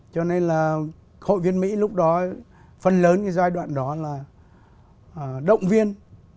cho nên là hội viên mỹ lúc đó phần lớn cái giai đoạn đó là động viên